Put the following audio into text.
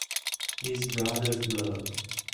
His Brother's Blood